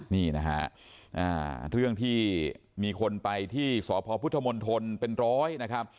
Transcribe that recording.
นี่นะฮะเรื่องที่มีคนไปที่สพพุทธมนตรเป็นร้อยนะครับ